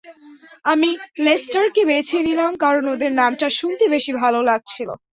আমি লেস্টারকে বেছে নিলাম, কারণ ওদের নামটা শুনতে বেশি ভালো লাগছিল।